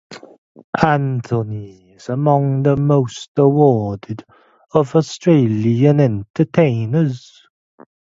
Anthony is among the most awarded of Australian entertainers.